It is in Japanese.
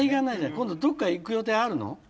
今度どっか行く予定あるの？